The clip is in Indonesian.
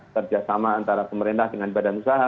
kerjasama antara pemerintah dengan badan usaha